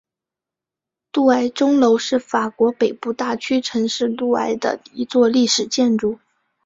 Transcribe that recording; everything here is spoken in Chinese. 杜埃钟楼是法国北部大区城市杜埃的一座历史建筑。